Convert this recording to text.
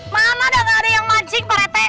mana gak ada yang mancing pak rete